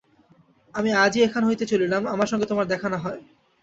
আমি আজই এখান হইতে চলিলাম, আমার সঙ্গে তোমার দেখা না হয়।